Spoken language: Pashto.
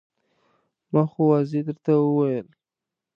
ما خو واضح درته وویل.